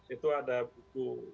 itu ada buku